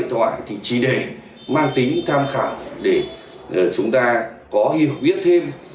xem xét các thông tin nghe thông qua điện thoại thì chỉ để mang tính tham khảo để chúng ta có hiểu biết thêm